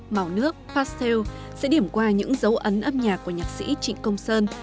màu nước pastel sẽ điểm qua những dấu ấn âm nhạc của nhạc sĩ trịnh công sơn